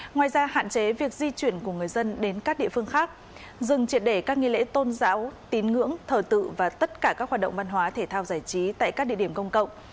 ngoài ra hạn chế việc di chuyển của người dân đến các địa phương khác dừng triệt để các nghi lễ tôn giáo tín ngưỡng thờ tự và tất cả các hoạt động văn hóa thể thao giải trí tại các địa điểm công cộng